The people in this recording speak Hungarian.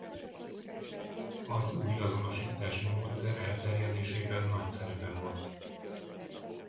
Az új azonosítási módszer elterjedésében nagy szerepe volt.